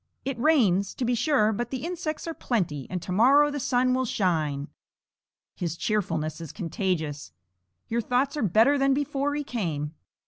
It rains, to be sure, but the insects are plenty, and to morrow the sun will shine." His cheerfulness is contagious. Your thoughts are better than before he came.